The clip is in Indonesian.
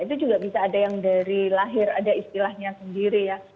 itu juga bisa ada yang dari lahir ada istilahnya sendiri ya